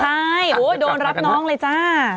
ใช่โอ้ยโดนรับน้องเลยจ้ะ